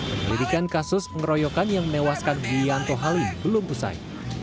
penyelidikan kasus pengeroyokan yang menewaskan bianto halim belum pusai